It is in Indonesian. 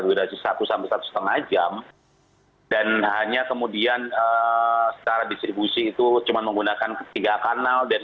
durasi satu sampai satu setengah jam dan hanya kemudian secara distribusi itu cuma menggunakan ketiga kanal dan